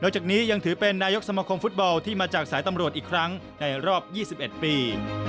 จากนี้ยังถือเป็นนายกสมคมฟุตบอลที่มาจากสายตำรวจอีกครั้งในรอบ๒๑ปี